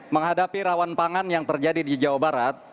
menghadapi rawan pangan yang terjadi di jawa barat